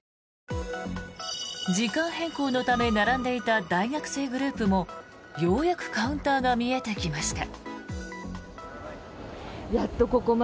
時間変更のため並んでいた大学生グループもようやくカウンターが見えてきました。